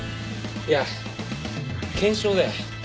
いや検証だよ。